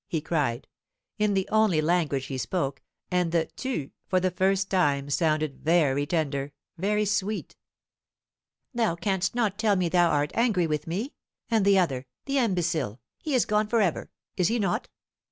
he cried, in the only language he spoke; and the "tu" for the first time sounded very tender, very sweet. "Thou canst not tell me thou art angry with me. And the other the imbecile; he is gone for ever, is he not?